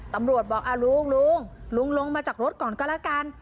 ตำรวจบอกลุงลุงลงมาจากรถก่อนก็แล้วกัน